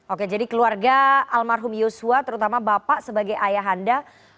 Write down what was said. oke jadi keluarga almarhum yosua terutama bapak sebagai ayah anda